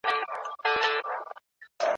دا زخم تازه دی د خدنګ خبري نه کوو